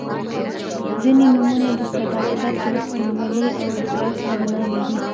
•ځینې نومونه د صداقت، رښتینولۍ او اخلاص معنا لري.